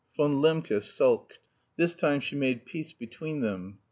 Von Lembke sulked. This time she made peace between them.